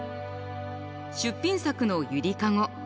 出品作の「ゆりかご」。